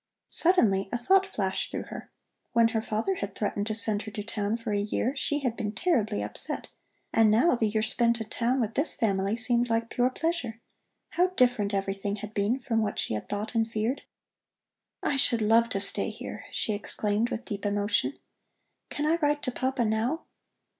Suddenly a thought flashed through her. When her father had threatened to send her to town for a year, she had been terribly upset, and now the year spent in town with this family seemed like pure pleasure. How different everything had been from what she had thought and feared. "I should love to stay here!" she exclaimed with deep emotion. "Can I write to Papa now?"